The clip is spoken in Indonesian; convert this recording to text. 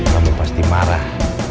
kamu pasti marah